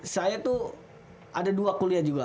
saya tuh ada dua kuliah juga